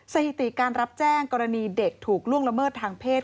สถิติการรับแจ้งกรณีเด็กถูกล่วงละเมิดทางเพศ